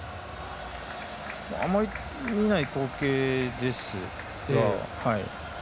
あまり見ない光景ですが。